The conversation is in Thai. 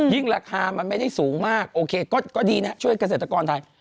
ราคามันไม่ได้สูงมากโอเคก็ดีนะช่วยเกษตรกรไทย